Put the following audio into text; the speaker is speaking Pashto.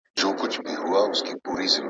ژوند د زړورتیا څراغ دی؟